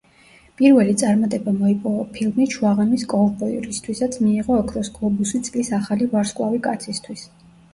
პირველი წარმატება მოიპოვა ფილმით „შუაღამის კოვბოი“, რისთვისაც მიიღო ოქროს გლობუსი წლის ახალი ვარსკვლავი კაცისთვის.